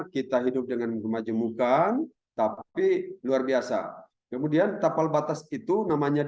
kita hidup dengan kemajemukan tapi luar biasa kemudian tapal batas itu namanya